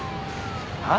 はあ？